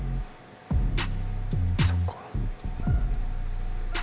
そっか。